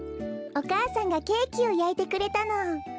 おかあさんがケーキをやいてくれたの。